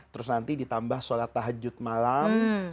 terus nanti ditambah sholat tahajud malam